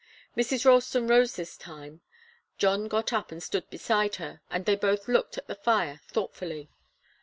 Mrs. Ralston rose this time. John got up and stood beside her, and they both looked at the fire thoughtfully.